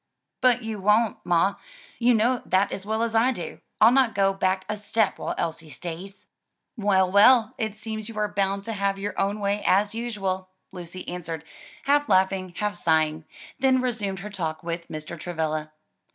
"But you won't, ma, you know that as well as I do. I'll not go back a step while Elsie stays." "Well, well, it seems you are bound to have your own way, as usual," Lucy answered, half laughing, half sighing, then resumed her talk with Mr. Travilla.